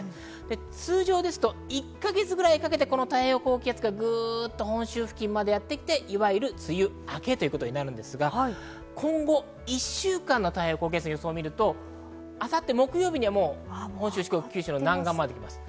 通常ですと１か月ぐらいかけて太平洋高気圧が本州付近までやってきて、いわゆる梅雨明けとなるんですが、今後１週間の太平洋高気圧の予想を見ると明後日の木曜日には本州、四国、九州の南岸まで来ます。